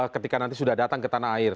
ketika nanti sudah datang ke tanah air